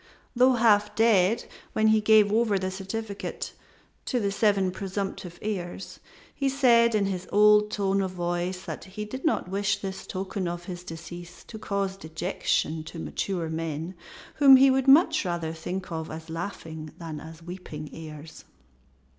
Though half dead when, he gave over the certificate to the seven presumptive heirs he said in his old tone of voice that he did not wish this token of his decease to cause dejection to mature men whom he would much rather think of as laughing than as weeping heirs.